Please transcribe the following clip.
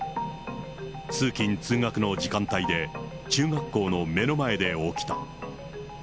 通勤・通学の時間帯で、中学校の目の前で起きた。